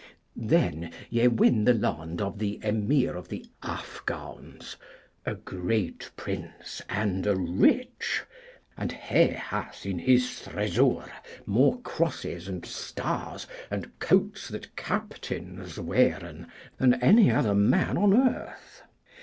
Then ye win the lond of the Emir of the Afghauns, a great prince and a rich, and he hath in his Thresoure more crosses, and stars, and coats that captains wearen, than any other man on earth.